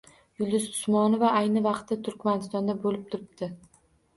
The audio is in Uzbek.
Yulduz Usmonova ayni vaqtda Turkmanistonda bo‘lib turibdi